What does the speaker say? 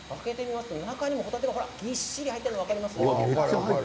中にもホタテがぎっしり入っています。